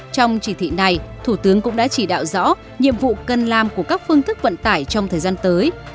trong chỉ thị này thủ tướng cũng đã chỉ đạo rõ nhiệm vụ cần làm của các phương thức vận tải trong thời gian tới